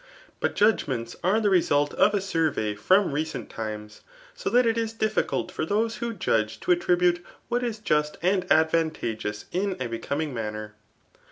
hm judgments an the result of a survey from leceut inea) so that it is difficult for those who judge to alQv bttte iHnt is just and advantageous in a becomnig manner.